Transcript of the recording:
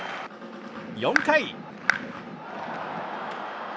４回。